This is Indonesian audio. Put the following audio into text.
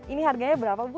ini harganya berapa bu